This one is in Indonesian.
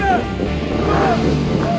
malah dia bau